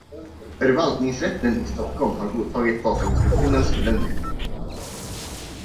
Förvaltningsrätten i Stockholm har godtagit Datainspektionens bedömning.